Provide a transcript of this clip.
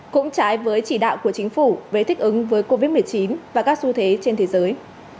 cũng trái với chỉ đạo của chính phủ về thích ứng với covid một mươi chín và các xu thế trên thế giới